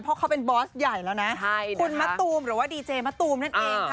เพราะเขาเป็นบอสใหญ่แล้วนะคุณมะตูมหรือว่าดีเจมะตูมนั่นเองค่ะ